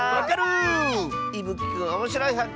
いぶきくんおもしろいはっけん